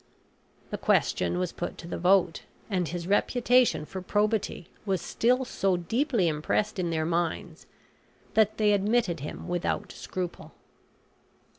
The question was put to the vote, and his reputation for probity was still so deeply impressed in their minds, that they admitted him without scruple.